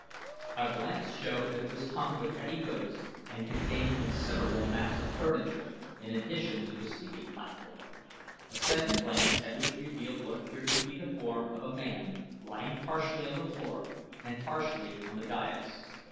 A glance showed that it was hung with heavy goods and contained considerable massive furniture in addition to the sleeping platform, a second glance at which revealed what appeared to be the form of a man lying partially on the floor and partially on the dais.